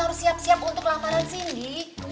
harus siap siap untuk lamaran sindi